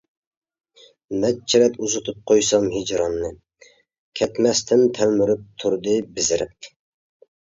نەچچە رەت ئۇزىتىپ قويسام ھىجراننى، كەتمەستىن تەلمۈرۈپ تۇردى بېزىرىپ.